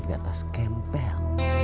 di atas kempel